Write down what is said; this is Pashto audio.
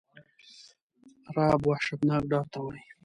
رعب وحشتناک ډار ته وایی.